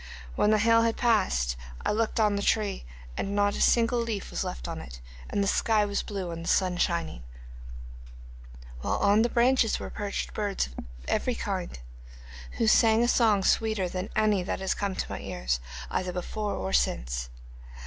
When the hail had passed, I looked on the tree and not a single leaf was left on it, and the sky was blue and the sun shining, while on the branches were perched birds of very kind, who sang a song sweeter than any that has come to my ears, either before or since.